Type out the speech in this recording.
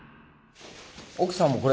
奥さんもこれ。